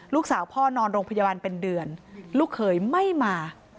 ลูกสาวพ่อนอนโรงพยาบาลเป็นเดือนลูกเขยไม่มา